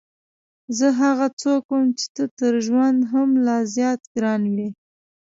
زه هغه څوک وم چې ته تر ژونده هم لا زیات ګران وې.